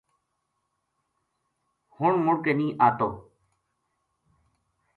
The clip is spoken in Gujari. ہن مُڑ کے نیہہ آتو